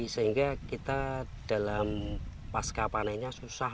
sehingga kita dalam pasca panennya susah